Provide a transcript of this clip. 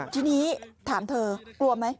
ทีนี้ถามเธอกลัวไหม